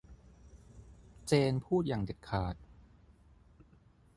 เจนพูดอย่างเด็ดขาด